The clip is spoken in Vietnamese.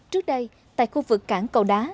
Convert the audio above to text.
trước đây tại khu vực cảng cầu đá